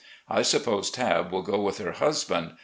I suppose Tabb will go with her husband.